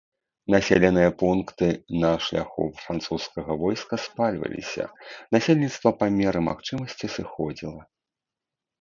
Населеныя пункты на шляху французскага войска спальваліся, насельніцтва па меры магчымасці сыходзіла.